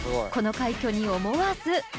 この快挙に思わず。